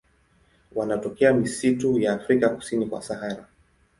Wanatokea misitu ya Afrika kusini kwa Sahara.